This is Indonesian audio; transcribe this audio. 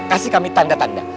kasih kami tanda tanda